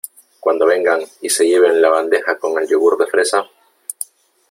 cuando vengan y se lleven la bandeja con el yogur de fresa ,